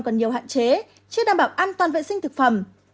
còn nhiều hạn chế chưa đảm bảo an toàn vệ sinh thực phẩm